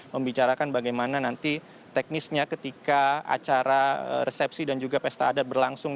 membicarakan bagaimana nanti teknisnya ketika acara resepsi dan juga pesta adat berlangsung